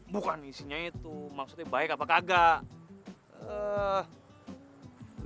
bukan isinya itu maksudnya baik apa kagak